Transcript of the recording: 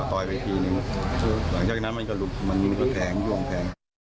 ตอยไปทีนึงหรือหลังจากนั้นมันจะลุกมันก็แทงย่วงแทง